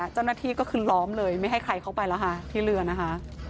เจ้าหน้าที่ก็คือล้อมเลยไม่ให้ใครเข้าไปแล้วค่ะที่เรือนะคะ